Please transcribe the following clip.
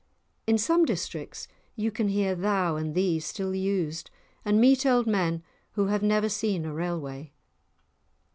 In some districts you can hear "thou" and "thee" still used, and meet old men who have never seen a railway.